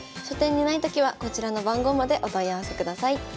書店にないときはこちらの番号までお問い合わせください。